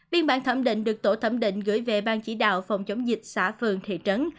biên bản thẩm định được tổ thẩm định gửi về ban chỉ đạo phòng chống dịch xã phường thị trấn